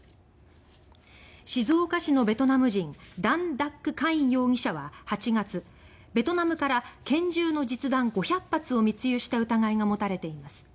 静岡市のベトナム人ダン・ダック・カイン容疑者は８月、ベトナムから拳銃の実弾５００発を密輸した疑いが持たれています。